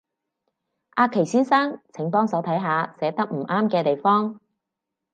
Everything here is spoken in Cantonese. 阿祁先生，請幫手睇下寫得唔啱嘅地方